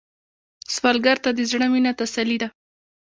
سوالګر ته د زړه مينه تسلي ده